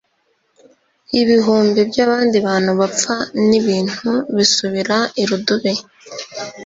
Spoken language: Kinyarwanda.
ibihumbi by’abandi bantu bapfa n’ibintu bisubira irudubi